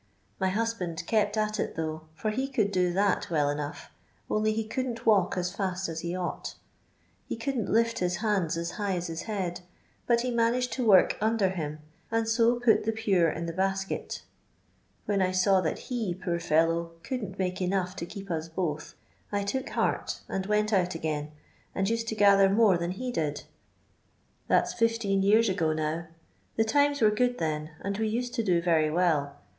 My husband kept at it though, for he could do that well enough, only ho couldn't walk as £sst aa he ought He couldn't lift hb hands om high aa hb b«id, bnt he managed to work under him, and fo pnt the Pure in the basket When I saw that he, poor fellow, couldn't make enough to keep ns both, I took heart and went out again, and used to gather more than he did ; that 's fifteen years ago now ; the times were good then, and we used to do very well.